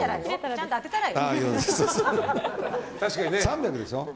ちゃんと当てたらよ。